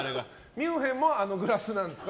ミュンヘンもあのグラスなんですか？